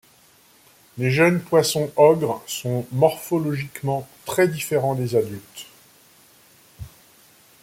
Les jeunes poisson-ogres sont morphologiquement très différents des adultes.